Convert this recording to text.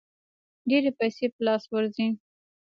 ډېرې پیسې په لاس ورځي.